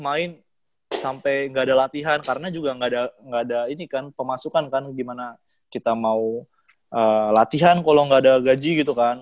main sampai nggak ada latihan karena juga nggak ada ini kan pemasukan kan gimana kita mau latihan kalau nggak ada gaji gitu kan